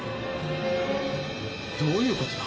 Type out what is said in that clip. どういうことだ？